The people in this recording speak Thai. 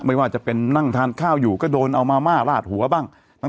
ไม่ว่าจะเป็นนั่งทานข้าวอยู่ก็โดนเอามาม่าลาดหัวบ้าง